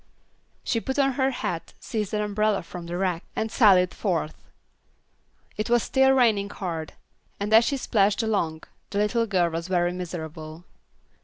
She put on her hat, seized an umbrella from the rack, and sallied forth. It was still raining hard, and as she splashed along, the little girl was very miserable.